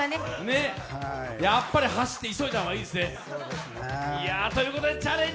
やっぱり走って、急いだ方がいいですね。